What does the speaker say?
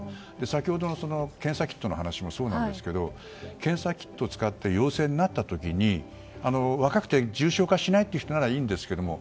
先ほどの検査キットの話もそうなんですけど検査キットを使って陽性になった時若くて重症化しない人ならいいですが。